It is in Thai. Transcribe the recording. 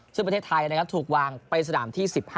ซึ่งประเทศไทยถูกวางไปสนามที่๑๕